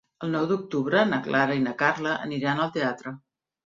El nou d'octubre na Clara i na Carla aniran al teatre.